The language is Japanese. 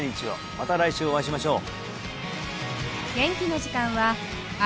また来週お会いしましょう！